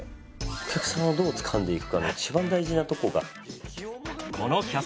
お客さんをどうつかんでいくかの一番大事なとこが。